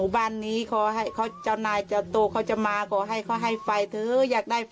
บางทีที่ผ่านมาเราเห็นแต่ขอฝนถูกไหม